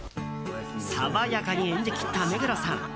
爽やかに演じきった目黒さん。